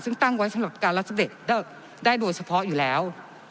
ซึ่งตั้งไว้สำหรับการรับเสด็จได้โดยเฉพาะอยู่แล้ว